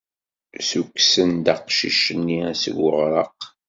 Ssukksen-d aqcic-nni seg uɣraq.